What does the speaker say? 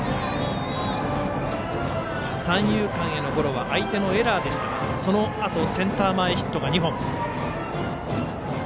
三遊間へのゴロは相手のエラーでしたがそのあとセンター前ヒットが２本。